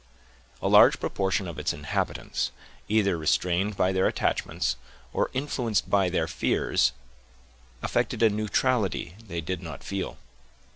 A large proportion of its inhabitants, either restrained by their attachments, or influenced by their fears, affected a neutrality they did not feel.